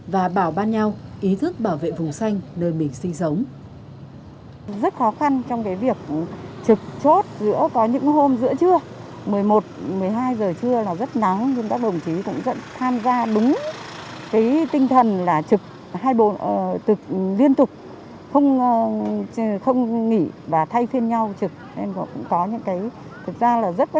và bảo ban nhau ý thức bảo vệ vùng xanh nơi mình sống